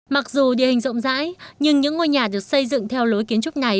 mặc dù địa hình rộng rãi nhưng những ngôi nhà được xây dựng theo lối kiến trúc này